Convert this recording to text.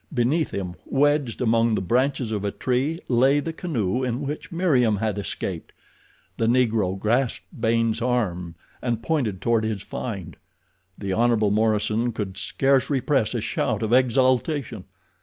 Beneath him, wedged among the branches of a tree, lay the canoe in which Meriem had escaped. The Negro grasped Baynes' arm and pointed toward his find. The Hon. Morison could scarce repress a shout of exultation.